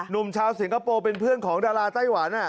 หนุ่มชาวสิงคโปร์เป็นเพื่อนของดาราไต้หวัน